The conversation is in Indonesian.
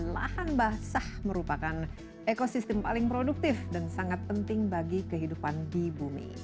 lahan basah merupakan ekosistem paling produktif dan sangat penting bagi kehidupan di bumi